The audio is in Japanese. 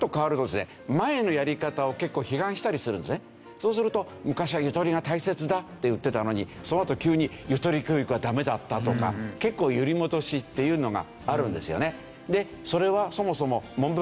そうすると昔はゆとりが大切だって言ってたのにそのあと急にゆとり教育はダメだったとか結構揺り戻しっていうのがあるんですよね。